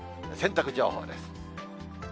洗濯情報です。